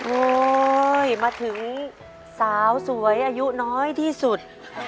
มาถึงสาวสวยอายุน้อยที่สุด